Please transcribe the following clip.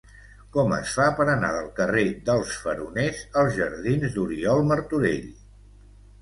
Com es fa per anar del carrer dels Faroners als jardins d'Oriol Martorell?